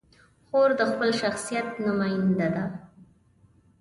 خور د خپل شخصیت نماینده ده.